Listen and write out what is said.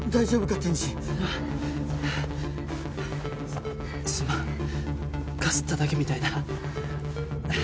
かすっただけみたいだ。